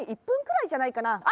１ぷんくらいじゃないかな。